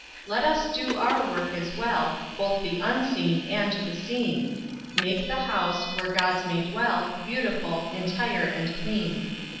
Let us do our work as well, Both the unseen and the seen; Make the house, where Gods may dwell, Beautiful, entire and clean.